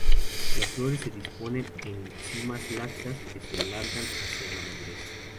Las flores se disponen en cimas laxas que se alargan hacia la madurez.